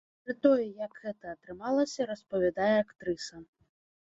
Пра тое, як гэта атрымалася, распавядае актрыса.